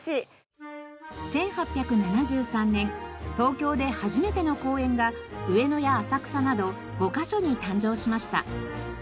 １８７３年東京で初めての公園が上野や浅草など５カ所に誕生しました。